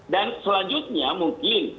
dan selanjutnya mungkin